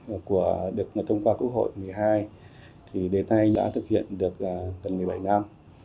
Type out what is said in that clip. luật hóa chất năm hai nghìn bảy được thông qua quốc hội một mươi hai thì đến nay đã thực hiện được tầng một mươi bảy năm